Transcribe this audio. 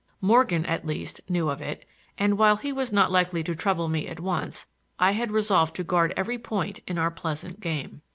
Morgan, at least, knew of it and, while he was not likely to trouble me at once, I had resolved to guard every point in our pleasant game.